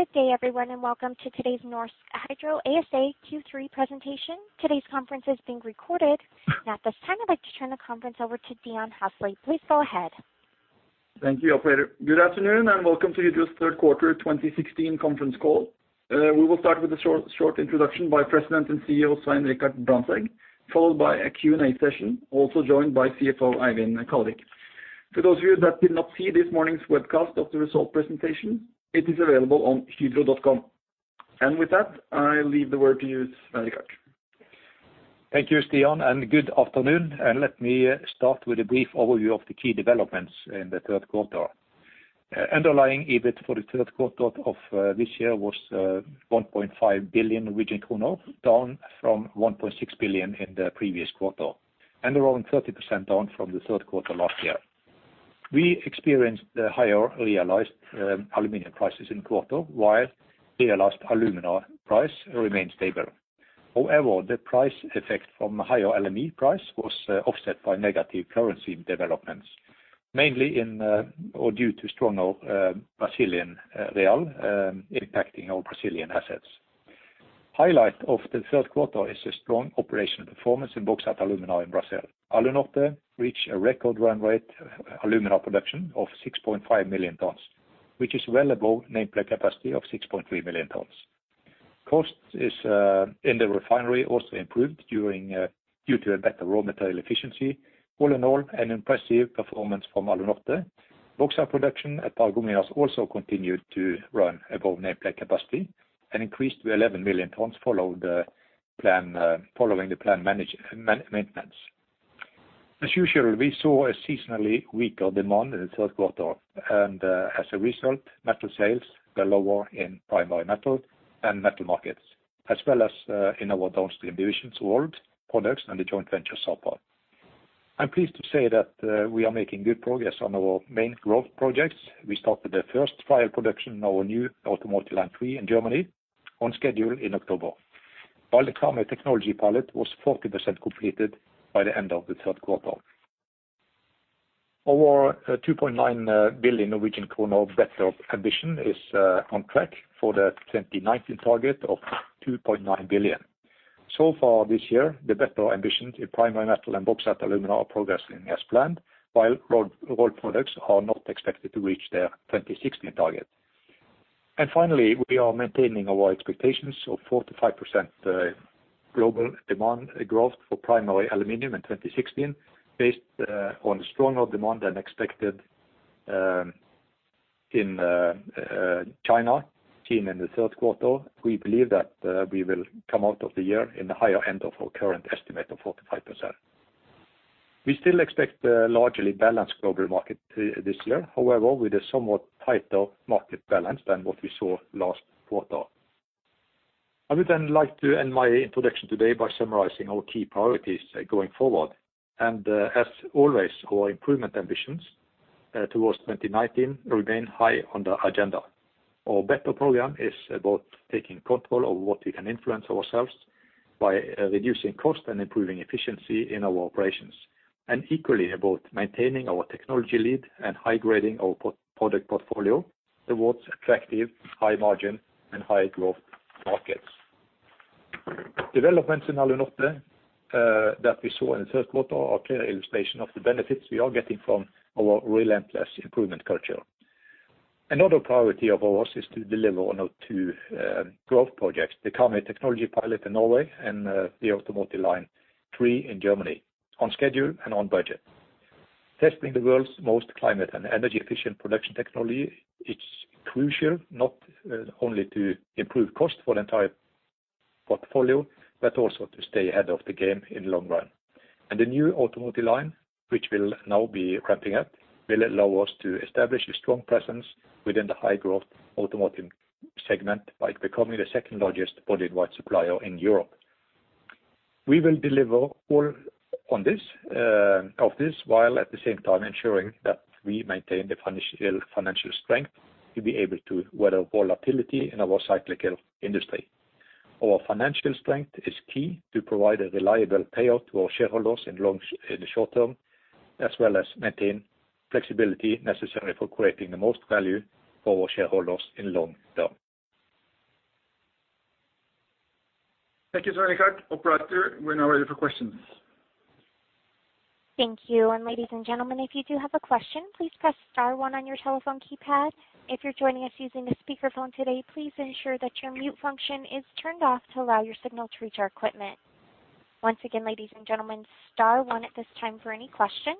Good day everyone, and welcome to today's Norsk Hydro ASA Q3 presentation. Today's conference is being recorded. At this time, I'd like to turn the conference over to Stian Hasseldal. Please go ahead. Thank you, operator. Good afternoon, and welcome to Hydro's third quarter 2016 conference call. We will start with a short introduction by President and CEO Svein Richard Brandtzæg, followed by a Q&A session, also joined by CFO Eivind Kallevik. For those of you that did not see this morning's webcast of the result presentation, it is available on hydro.com. With that, I leave the word to you, Svein Richard. Thank you, Stian, and good afternoon. Let me start with a brief overview of the key developments in the third quarter. Underlying EBIT for the third quarter of this year was 1.5 billion Norwegian kroner, down from 1.6 billion in the previous quarter. Around 30% down from the third quarter last year. We experienced higher realized aluminum prices in quarter, while realized alumina price remained stable. However, the price effect from higher LME price was offset by negative currency developments, mainly in or due to stronger Brazilian real impacting our Brazilian assets. Highlight of the third quarter is a strong operational performance in bauxite & alumina in Brazil. Alunorte reached a record run rate alumina production of 6.5 million tons, which is well above nameplate capacity of 6.3 million tons. Cost is in the refinery also improved during due to a better raw material efficiency. All in all, an impressive performance from Alunorte. Bauxite production at Paragominas also continued to run above nameplate capacity and increased to 11 million tons following the plan maintenance. As usual, we saw a seasonally weaker demand in the third quarter, and as a result, metal sales were lower in Primary Metal and Metal Markets, as well as in our downstream divisions Rolled Products and the joint venture Sapa. I'm pleased to say that we are making good progress on our main growth projects. We started the first trial production in our new Automotive Line Three in Germany on schedule in October, while the Karmøy technology pilot was 40% completed by the end of the third quarter. Our 2.9 billion Norwegian kroner BetteR ambition is on track for the 2019 target of 2.9 billion. So far this year, the BetteR ambitions in Primary Metal and Bauxite & Alumina are progressing as planned, while Rolled Products are not expected to reach their 2016 target. Finally, we are maintaining our expectations of 4%-5% global demand growth for primary aluminum in 2016 based on stronger demand than expected in China seen in the third quarter. We believe that we will come out of the year in the higher end of our current estimate of 4%-5%. We still expect a largely balanced global market this year, however, with a somewhat tighter market balance than what we saw last quarter. I would like to end my introduction today by summarizing our key priorities going forward. As always, our improvement ambitions towards 2019 remain high on the agenda. Our better program is about taking control of what we can influence ourselves by reducing cost and improving efficiency in our operations. Equally about maintaining our technology lead and high grading our product portfolio towards attractive high margin and high growth markets. Developments in Alunorte that we saw in the third quarter are clear illustration of the benefits we are getting from our relentless improvement culture. Another priority of ours is to deliver on our 2 growth projects, the Karmøy technology pilot in Norway and the Automotive Line 3 in Germany on schedule and on budget. Testing the world's most climate and energy efficient production technology, it's crucial not only to improve cost for the entire portfolio, but also to stay ahead of the game in the long run. The new automotive line, which we'll now be ramping up, will allow us to establish a strong presence within the high growth automotive segment by becoming the second largest body-in-white supplier in Europe. We will deliver on all of this, while at the same time ensuring that we maintain the financial strength to be able to weather volatility in our cyclical industry. Our financial strength is key to provide a reliable payout to our shareholders in the short term, as well as maintain flexibility necessary for creating the most value for our shareholders in long term. Thank you, Svein Richard Brandtzæg. Operator, we're now ready for questions. Thank you. Ladies and gentlemen, if you do have a question, please press star one on your telephone keypad. If you're joining us using the speaker phone today, please ensure that your mute function is turned off to allow your signal to reach our equipment. Once again, ladies and gentlemen, star one at this time for any question.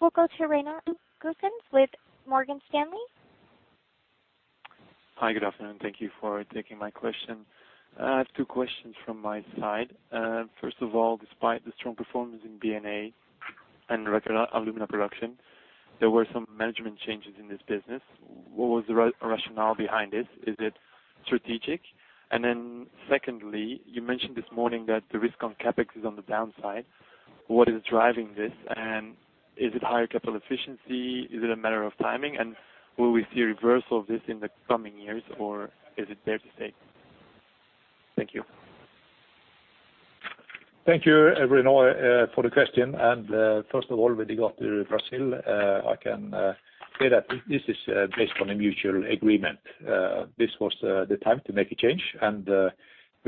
We'll go to Rainer Goertz with Morgan Stanley. Hi, good afternoon. Thank you for taking my question. I have two questions from my side. First of all, despite the strong performance in B&A and record alumina production, there were some management changes in this business. What was the rationale behind this? Is it strategic? Secondly, you mentioned this morning that the risk on CapEx is on the downside. What is driving this? And is it higher capital efficiency? Is it a matter of timing? And will we see a reversal of this in the coming years, or is it there to stay? Thank you. Thank you, Rainer for the question. First of all, with regard to Brazil, I can say that this is based on a mutual agreement. This was the time to make a change, and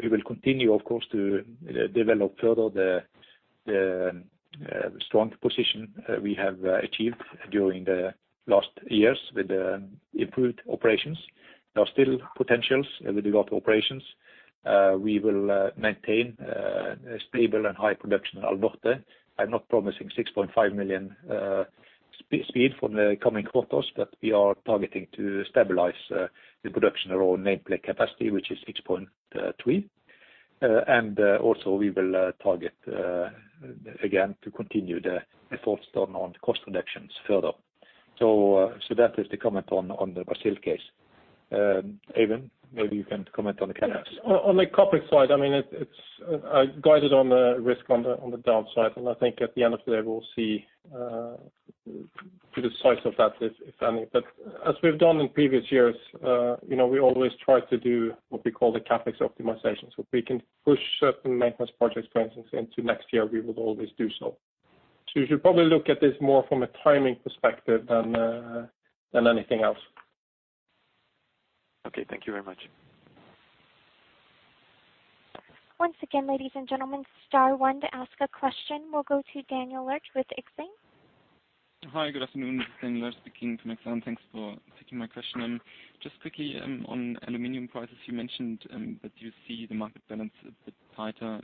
we will continue of course to develop further the strong position we have achieved during the last years with the improved operations. There are still potentials with regard to operations. We will maintain a stable and high production at Alunorte. I'm not promising 6.5 million for the coming quarters, but we are targeting to stabilize the production of our nameplate capacity, which is 6.3. Also we will target again to continue the efforts done on cost reductions further. That is the comment on the Brazil case. Eivind, maybe you can comment on the CapEx. Yes. On the CapEx side, I mean, I guided on the risk on the downside, and I think at the end of the day we'll see the size of that, if any. As we've done in previous years, you know, we always try to do what we call the CapEx optimization, so if we can push certain maintenance projects, for instance, into next year, we would always do so. You should probably look at this more from a timing perspective than anything else. Okay. Thank you very much. Once again, ladies and gentlemen, star one to ask a question. We'll go to Daniel Lurch with Exane. Hi, good afternoon. This is Daniel Lerch speaking from Exane. Thanks for taking my question. Just quickly, on aluminum prices, you mentioned that you see the market balance a bit tighter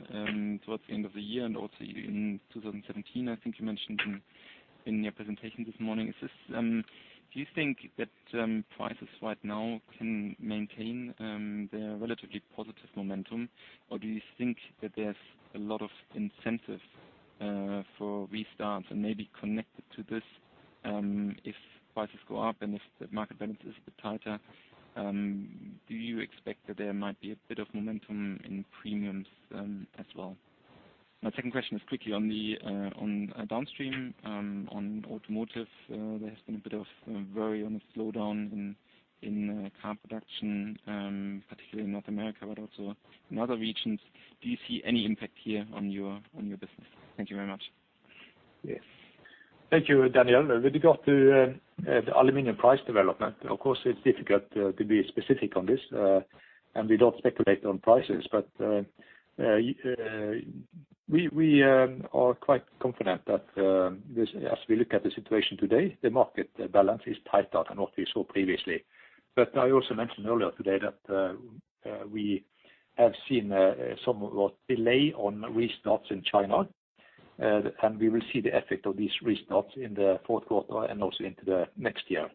towards the end of the year and also in 2017, I think you mentioned in your presentation this morning. Do you think that prices right now can maintain their relatively positive momentum, or do you think that there's a lot of incentives for restarts and maybe connected to this, if prices go up and if the market balance is a bit tighter, do you expect that there might be a bit of momentum in premiums as well? My second question is quickly on the downstream on automotive. There has been a bit of a worry on a slowdown in car production, particularly in North America but also in other regions. Do you see any impact here on your business? Thank you very much. Yes. Thank you, Daniel. With regard to the aluminum price development, of course it's difficult to be specific on this, and we don't speculate on prices. We are quite confident that as we look at the situation today, the market balance is tighter than what we saw previously. I also mentioned earlier today that we have seen somewhat of a delay on restarts in China, and we will see the effect of these restarts in the fourth quarter and also into the next year.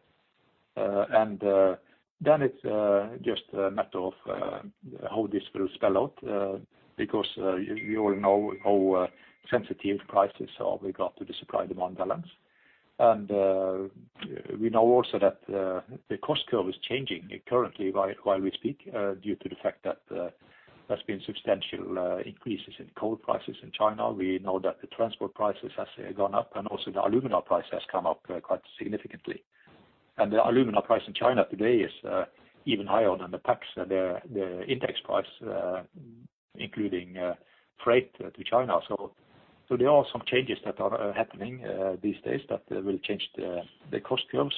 Then it's just a matter of how this will spell out, because you all know how sensitive prices are with regard to the supply-demand balance. We know also that the cost curve is changing currently while we speak due to the fact that there's been substantial increases in coal prices in China. We know that the transport prices has gone up, and also the alumina price has come up quite significantly. The alumina price in China today is even higher than the PAX, the index price, including freight to China. There are some changes that are happening these days that will change the cost curve.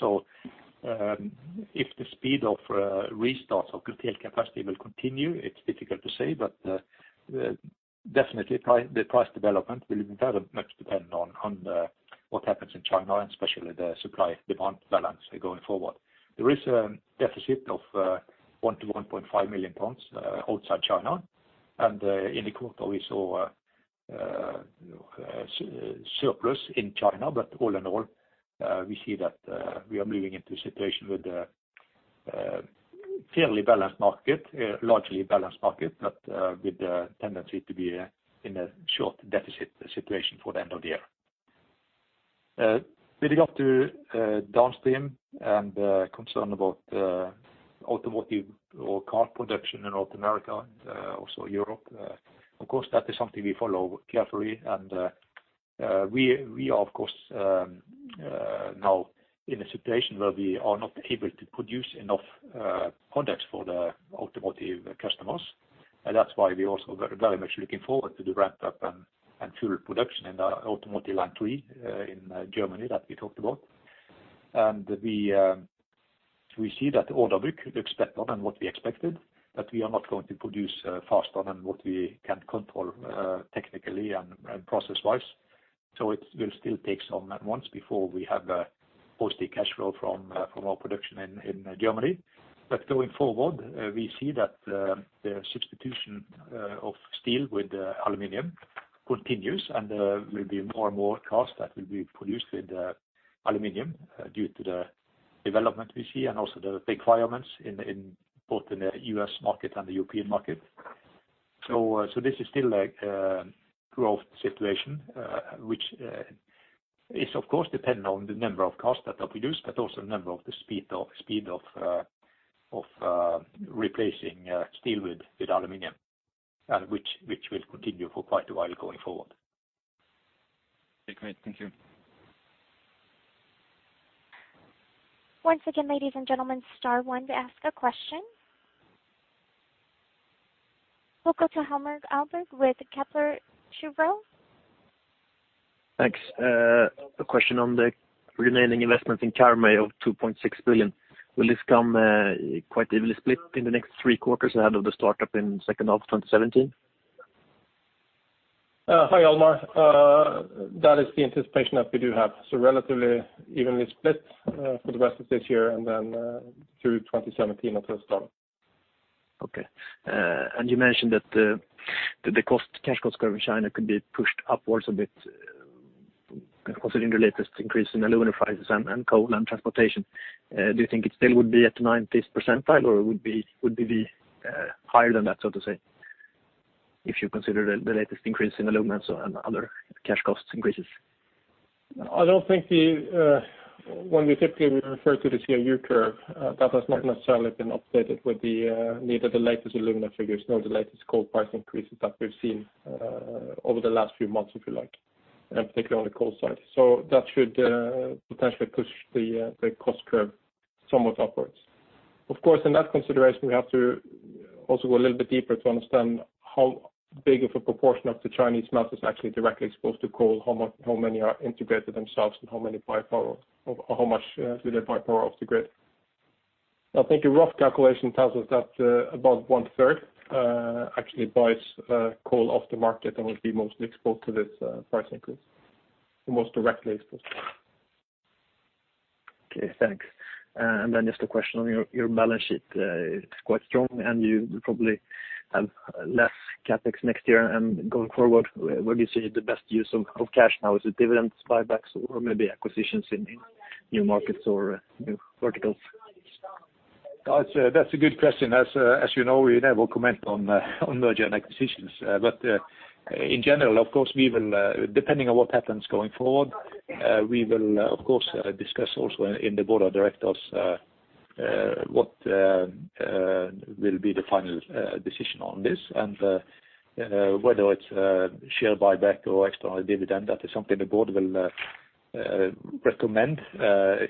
If the speed of restarts of curtail capacity will continue, it's difficult to say. Definitely the price development will very much depend on what happens in China, and especially the supply-demand balance going forward. There is a deficit of 1-1.5 million tons outside China, and in the quarter we saw a surplus in China. All in all, we see that we are moving into a situation with a fairly balanced market, a largely balanced market, but with a tendency to be in a short deficit situation for the end of the year. With regard to downstream and concern about automotive or car production in North America and also Europe, of course, that is something we follow carefully. We are of course now in a situation where we are not able to produce enough products for the automotive customers, and that's why we're also very much looking forward to the ramp-up and full production in our automotive line three in Germany that we talked about. We see that order book is better than what we expected, but we are not going to produce faster than what we can control technically and process-wise. It will still take some months before we have positive cash flow from our production in Germany. Going forward, we see that the substitution of steel with aluminum continues and will be more and more cars that will be produced with aluminum due to the development we see and also the requirements in both the U.S. market and the European market. This is still a growth situation which is of course dependent on the number of cars that are produced, but also the speed of replacing steel with aluminum which will continue for quite a while going forward. Okay. Great. Thank you. Once again, ladies and gentlemen, star one to ask a question. We'll go to Helmer Aalberg with Kepler Cheuvreux. Thanks. A question on the remaining investment in Karmøy of 2.6 billion. Will this come quite evenly split in the next three quarters ahead of the startup in second half 2017? Hi, Helmer. That is the anticipation that we do have. Relatively evenly split for the rest of this year and then through 2017 at this time. Okay. You mentioned that the cash cost curve in China could be pushed upwards a bit, considering the latest increase in alumina prices and coal and transportation. Do you think it still would be at the ninetieth percentile, or would it be higher than that, so to say, if you consider the latest increase in alumina and other cash costs increases? I don't think that when we typically refer to the CRU curve, that has not necessarily been updated with neither the latest alumina figures nor the latest coal price increases that we've seen over the last few months, if you like, particularly on the coal side. That should potentially push the cost curve somewhat upwards. Of course, in that consideration, we have to also go a little bit deeper to understand how big of a proportion of the Chinese smelters actually directly exposed to coal, how many are integrated themselves, and how many buy power or how much do they buy power off the grid. I think a rough calculation tells us that about 1/3 actually buys coal off the market and will be most exposed to this price increase, the most directly exposed. Okay, thanks. Just a question on your balance sheet. It's quite strong, and you probably have less CapEx next year and going forward. Where do you see the best use of cash now? Is it dividends, buybacks, or maybe acquisitions in new markets or new verticals? That's a good question. As you know, we never comment on mergers and acquisitions. In general, of course, we will, depending on what happens going forward, we will of course discuss also in the board of directors what will be the final decision on this. Whether it's share buyback or external dividend, that is something the board will recommend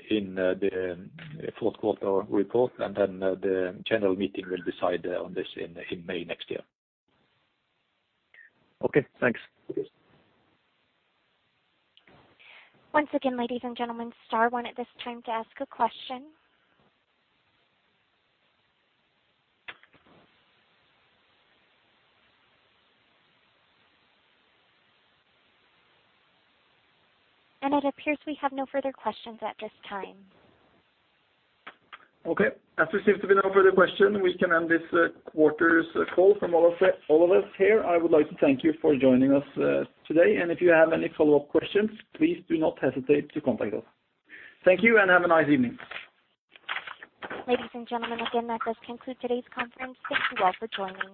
in the fourth quarter report, and then the general meeting will decide on this in May next year. Okay, thanks. Cheers. Once again, ladies and gentlemen, star one at this time to ask a question. It appears we have no further questions at this time. Okay. As there seems to be no further question, we can end this quarter's call from all of us here. I would like to thank you for joining us, today. If you have any follow-up questions, please do not hesitate to contact us. Thank you, and have a nice evening. Ladies and gentlemen, again, that does conclude today's conference. Thank you all for joining.